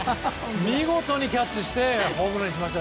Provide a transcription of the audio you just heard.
見事にキャッチしてホームランにしました。